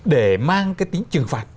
để mang cái tính trừng phạt